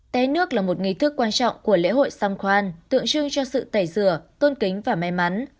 té nước là một nghị thức quan trọng của lễ hội songkran tượng trưng cho sự tẩy rửa tôn kính và may mắn